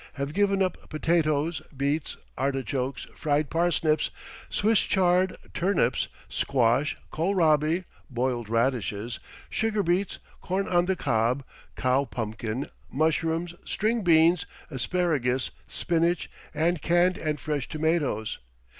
Have given up potatoes, beets, artichokes, fried parsnips, Swiss chard, turnips, squash, kohl rabi, boiled radishes, sugar beets, corn on the cob, cow pumpkin, mushrooms, string beans, asparagus, spinach, and canned and fresh tomatoes.